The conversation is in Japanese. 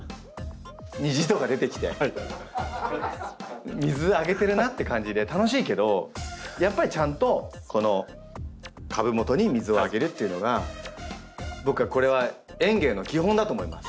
虹とか出てきて水あげてるなって感じで楽しいけどやっぱりちゃんとこの株元に水をあげるというのが僕はこれは園芸の基本だと思います。